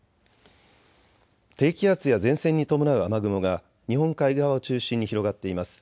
低気圧や前線に伴う雨雲が日本海側を中心に広がっています。